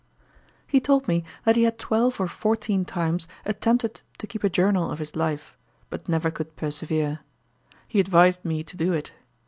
He told me that he had twelve or fourteen times attempted to keep a journal of his life, but never could persevere. He advised me to do it.